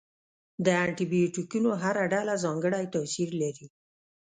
د انټي بیوټیکونو هره ډله ځانګړی تاثیر لري.